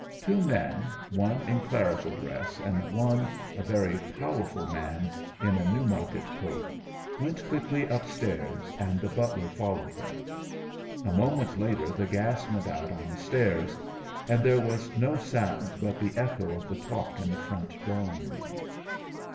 Two men, one in clerical dress, and one, a very powerful man, in a Newmarket coat, went quickly upstairs, and the butler followed them. A moment later the gas went out on the stairs; and there was no sound but the echo of the talk in the front drawing room.